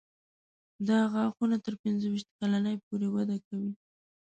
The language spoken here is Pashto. دا غاښونه تر پنځه ویشت کلنۍ پورې وده کوي.